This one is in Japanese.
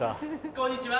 こんにちは。